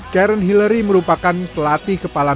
karen hillary merupakan pelatih kepala